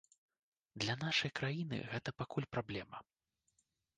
Для нашай краіны гэта пакуль праблема.